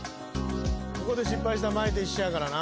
ここで失敗したら前と一緒やからな。